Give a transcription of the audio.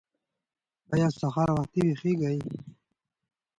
ایا سهار وختي ویښیږئ؟